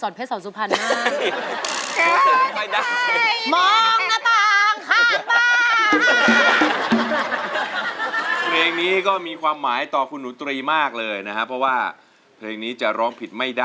เลือกออกมาแล้วนะครับ